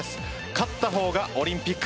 勝った方がオリンピック。